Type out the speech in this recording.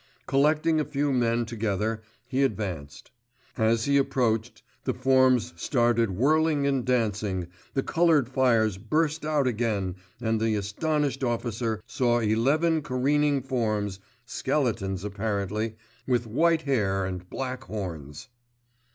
Collecting a few men together, he advanced. As he approached, the forms started whirling and dancing, the coloured fires burst out again and the astonished officer saw eleven careering forms, skeletons apparently, with white hair and black horns.